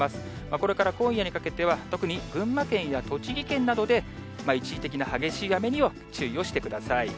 これから今夜にかけては、特に群馬県や栃木県などで、一時的な激しい雨には注意をしてください。